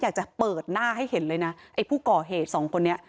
อยากจะเปิดหน้าให้เห็นเลยนะไอ้ผู้ก่อเหตุสองคนนี้